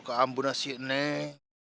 keambunan si neng